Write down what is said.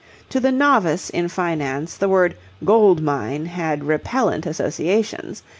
To the novice in finance the word gold mine had repellent associations.